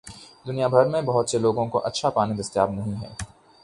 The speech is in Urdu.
دنیا بھر میں بہت سے لوگوں کو اچھا پانی دستیاب نہیں ہے۔